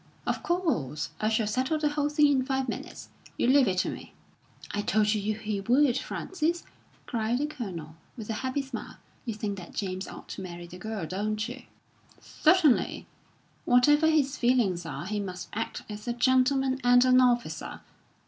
"Of course! I shall settle the whole thing in five minutes. You leave it to me." "I told you he would, Frances," cried the Colonel, with a happy smile. "You think that James ought to marry the girl, don't you?" "Certainly. Whatever his feelings are, he must act as a gentleman and an officer.